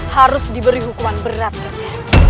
harus diberi hukuman berat kanda